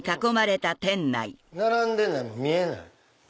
並んでないもん見えない。